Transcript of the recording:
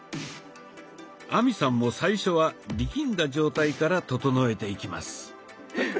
亜美さんも最初は力んだ状態から整えていきます。